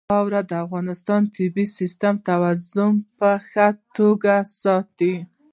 خاوره د افغانستان د طبعي سیسټم توازن په ښه توګه ساتي.